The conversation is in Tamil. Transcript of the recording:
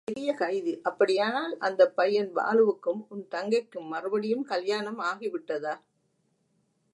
பெரிய கைதி அப்படியானால் அந்தப் பையன் பாலுவுக்கும் உன் தங்கைக்கும் மறுபடியும் கல்யாணம் ஆகிவிட்டதா?